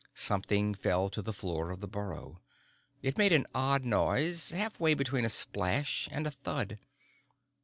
Something fell to the floor of the burrow. It made an odd noise, halfway between a splash and a thud.